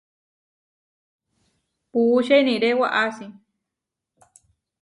Puúče iniré waʼasi.